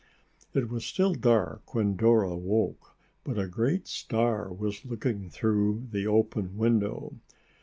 It was still dark when Dora woke but a great star was looking through the open window.